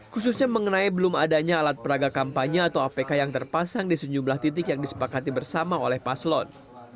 khususnya mengenai belum adanya alat peraga kampanye atau apk yang terpasang di sejumlah titik yang disepakati bersama oleh paslon